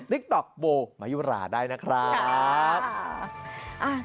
ลิกตอบโบมายุระได้นะครับ